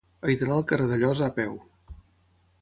He d'anar al carrer d'Alloza a peu.